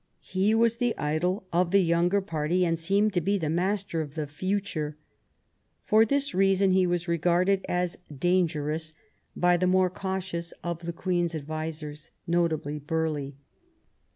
He was the idol of the younger party, and seemed to be the master of the future. For this reason he was regarded as dangerous by the more cautious of the Queen's advisers, notably Burghley.